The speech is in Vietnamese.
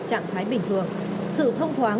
trạng thái bình thường sự thông thoáng